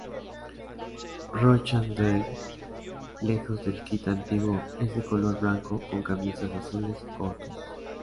Rochdale, lejos del kit antiguo, es de color blanco con camisas azules cortos.